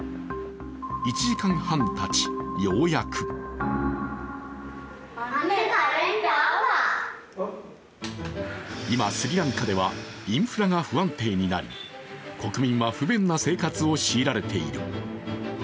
１時間半たち、ようやく今、スリランカではインフラが不安定になり国民は不便な生活を強いられている。